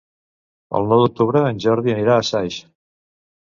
El nou d'octubre en Jordi anirà a Saix.